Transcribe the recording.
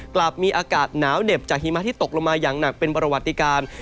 กลับมีอากาศหนาวเหน็บจากหิมะที่ตกลงมาอย่างหนักเป็นประวัติการ